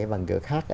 bằng kiểu khác